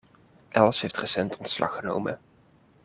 Els heeft recent ontslag genomen.